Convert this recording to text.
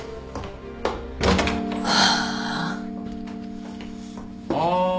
ああ。